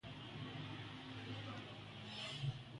Nu nà i mi nu a num i mi.